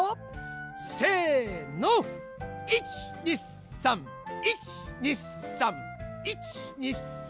せの１２３！１２３！１２３！